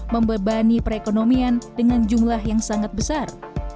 membebani perekonomian dengan jumlah yang sangat besar